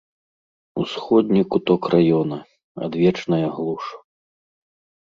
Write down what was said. Усходні куток раёна, адвечная глуш.